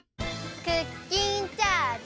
クッキンチャージ！